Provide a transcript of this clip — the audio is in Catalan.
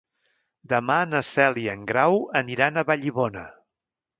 Demà na Cel i en Grau aniran a Vallibona.